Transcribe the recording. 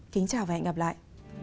kính chào và hẹn gặp lại